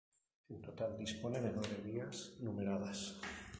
En total dispone de nueve vías numeradas.